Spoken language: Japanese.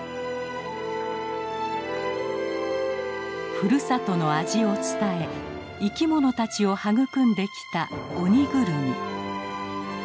ふるさとの味を伝え生き物たちを育んできたオニグルミ。